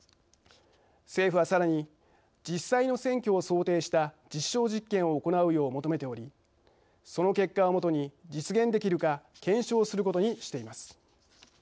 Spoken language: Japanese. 政府は、さらに実際の選挙を想定した実証実験を行うよう求めておりその結果を基に実現できるか検証することにしています。